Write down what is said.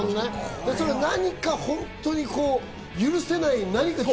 何か本当に許せない何かが。